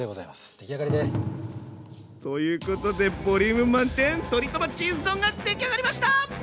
出来上がりです！ということでボリューム満点鶏トマチーズ丼が出来上がりました！